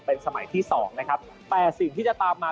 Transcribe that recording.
เป็นสมัยที่สองนะครับแต่สิ่งที่จะตามมา